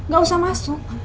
gak usah masuk